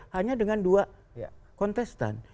hanya dengan dua kontestan